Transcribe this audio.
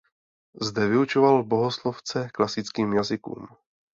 Zde vyučoval bohoslovce klasickým jazykům.